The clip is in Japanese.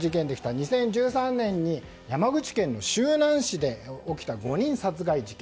２０１３年に山口県の周南市で起きた５人殺害事件。